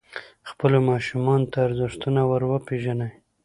خپلو ماشومانو ته ارزښتونه وروپېژنئ.